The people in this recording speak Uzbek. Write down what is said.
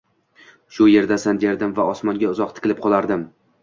Shu yerdasan derdim va osmonga uzoq tikilib qolardim.